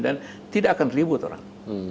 dan tidak akan terlibat orang